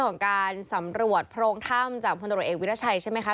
ของการสำรวจโพรงถ้ำจากพลตรวจเอกวิราชัยใช่ไหมคะ